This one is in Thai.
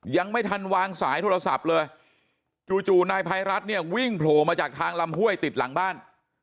ยังไม่ทันวางสายโทรศัพท์เลยจู่นายภัยรัฐเนี่ยวิ่งโผล่มาจากทางลำห้วยติดหลังบ้าน